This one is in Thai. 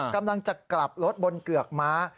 กำลังจะกลับรถบนเกือกม้า